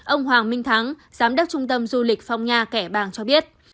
ông hoàng minh thắng giám đốc trung tâm du lịch phong nha kẻ bàng cho biết